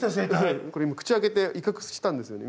これ口開けて威嚇したんですよね。